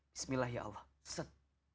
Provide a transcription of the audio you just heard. bismillah ya allah set